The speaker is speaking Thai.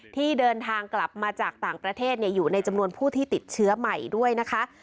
ที่เดินทางกลับมาจากต่างประเทศอยู่ในจำนวนผู้ที่ติดเชื้อใหม่ด้วยนะคะ